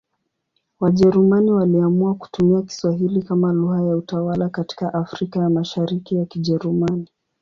Wajerumani waliamua kutumia Kiswahili kama lugha ya utawala katika Afrika ya Mashariki ya Kijerumani.